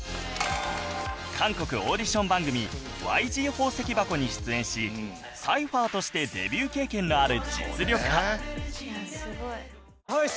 韓国オーディション番組『ＹＧ 宝石箱』に出演しサイファーとしてデビュー経験のある実力派